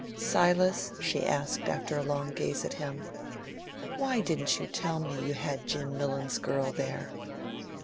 "Silas," she asked, after a long gaze at him, "why didn't you tell me you had Jim Millon's girl there?"